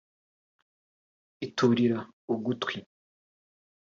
iturira ugutwi